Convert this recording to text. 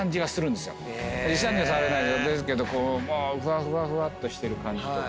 実際には触れないですけどふわふわふわっとしてる感じとか。